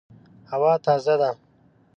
هوا تازه ده